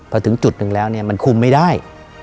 พอถึงจุดหนึ่งแล้วเนี่ยมันคุมไม่ได้